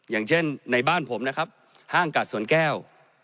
อย่างเช่นในบ้านผมนะครับห้างกัดสวนแก้ว